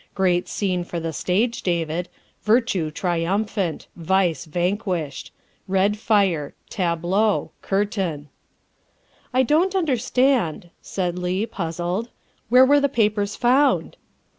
Great scene for the stage, David. Virtue triumphant. Vice vanquished. Red fire. Tableau. Curtain." " I don't understand," said Leigh, puzzled. " Where were the papers found?"